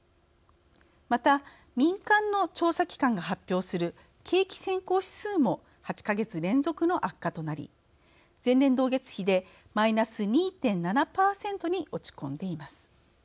また、民間の調査機関が発表する景気先行指数も８か月連続の悪化となり前年同月比でマイナス２．７％に落ち込んでいます。